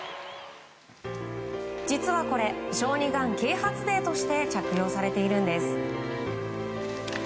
実はこれ小児がん啓発デーとして着用されているんです。